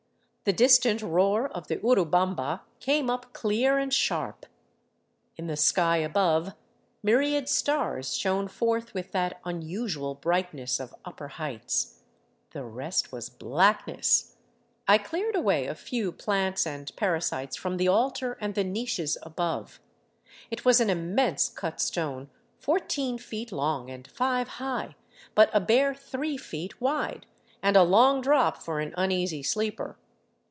The distant roar of the Urubamba came up clear and sharp. In the sky above, myriad stars shone forth with that unusual brightness of upper heights. The rest was blackness. I cleared away a few plants and parasites from the altar and the niches above. It was an immense cut stone fourteen feet long and five high, but a bare three feet wide, and a long drop for an uneasy sleeper.